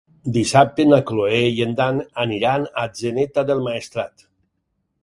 Dissabte na Cloè i en Dan aniran a Atzeneta del Maestrat.